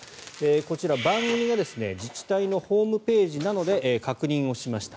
こちら、番組が自治体のホームページなどで確認をしました。